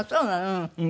うん。